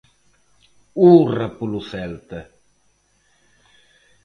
Hurra polo Celta!